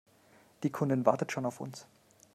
Die Kundin wartet schon auf uns.